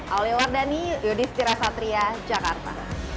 aulia wardani yudhistira satria jakarta